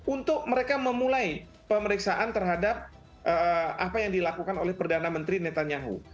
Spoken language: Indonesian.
untuk mereka memulai pemeriksaan terhadap apa yang dilakukan oleh perdana menteri netanyahu